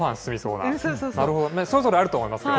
なるほど、それぞれあると思いますけど。